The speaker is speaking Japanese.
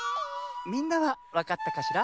みんなはわかったかしら？